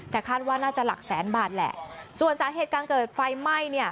แต่คาดว่าน่าจะหลักแสนบาทแหละส่วนสาเหตุการเกิดไฟไหม้เนี่ย